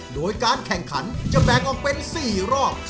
โดยการแข่งขันจะแบ่งออกเป็น๔รอบ